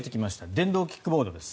電動キックボードです。